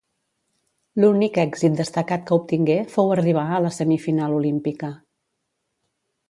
L'únic èxit destacat que obtingué fou arribar a la semifinal olímpica.